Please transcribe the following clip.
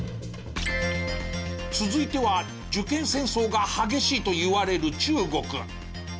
続いては受験戦争が激しいといわれる中国。